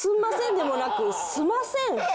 でもなく「すません」！？